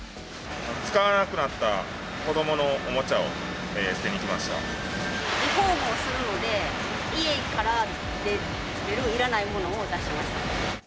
使わなくなった子どものおもリフォームをするので、家から出るいらないものを出しました。